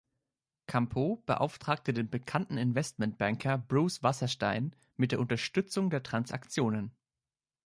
Campeau beauftragte den bekannten Investmentbanker Bruce Wasserstein mit der Unterstützung der Transaktionen.